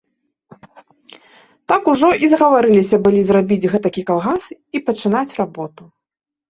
Так ужо і згаварыліся былі зрабіць гэтакі калгас і пачынаць работу.